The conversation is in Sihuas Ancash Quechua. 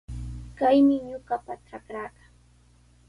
Kaymi ñuqapa trakraaqa.